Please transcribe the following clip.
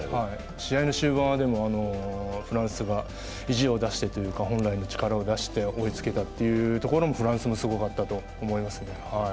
試合の終盤は、でも、フランスが意地を出してというか本来の力を出して追いつけたというところもフランスもすごかったと思います。